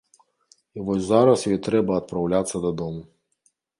І вось зараз ёй трэба адпраўляцца дадому.